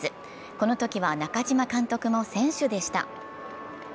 このときは中嶋監督も選手でした。